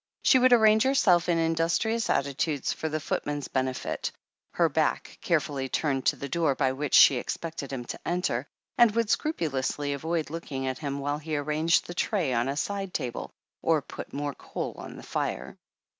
She would arrange herself in indus trious attitudes for the footman's benefit, her back care fully turned to the door by which she expected him to enter, and would scrupulously avoid looking at him while he arranged the tray on a side table or put more coal on the fire.